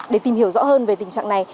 để tìm hiểu rõ hơn về tình trạng này